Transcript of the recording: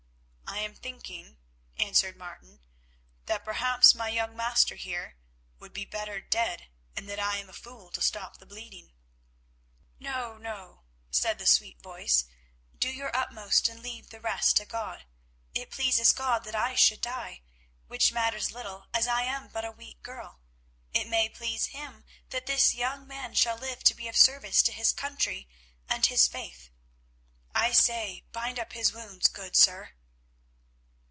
"I am thinking," answered Martin, "that perhaps my young master here would be better dead, and that I am a fool to stop the bleeding." "No, no," said the sweet voice, "do your utmost and leave the rest to God. It pleases God that I should die, which matters little as I am but a weak girl; it may please Him that this young man shall live to be of service to his country and his faith. I say, bind up his wounds, good sir."